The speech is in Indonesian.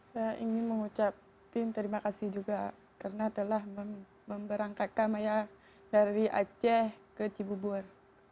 saya ingin mengucapkan terima kasih juga karena telah memberangkatkan maya dari aceh ke cibubur